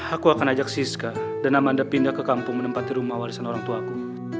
aku akan ajak siska dan amanda pindah ke kampung menempati rumah warisan orangtuaku